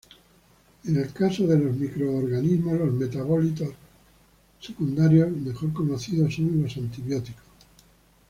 En el caso de los microorganismos, los metabolitos secundarios mejor conocidos son los antibióticos.